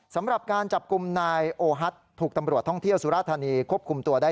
สำหรับการจับกลุ่มนายโอฮัทถูกตำรวจท่องเที่ยวสุราธานีควบคุมตัวได้